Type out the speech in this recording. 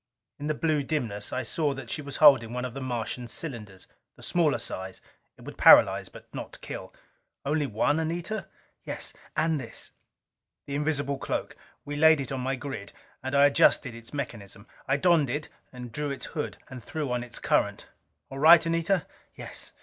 In the blue dimness I saw that she was holding one of the Martian cylinders. The smaller size: it would paralyze but not kill. "Only one, Anita?" "Yes. And this " The invisible cloak. We laid it on my grid, and I adjusted its mechanism. I donned it and drew its hood, and threw on its current. "All right, Anita?" "Yes."